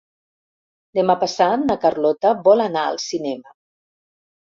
Demà passat na Carlota vol anar al cinema.